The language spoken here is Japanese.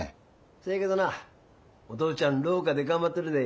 せやけどなお父ちゃん廊下で頑張ってるで。